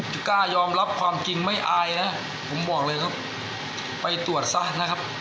กล้ายอมรับความจริงไม่อายนะผมบอกเลยครับไปตรวจซะนะครับ